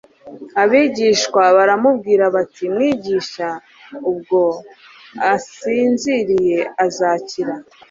«Abigishwa baramubwira, bati: Mwigisha, ubwo asinziriye azakira.